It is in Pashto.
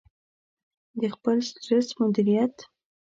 -د خپل سټرس مدیریت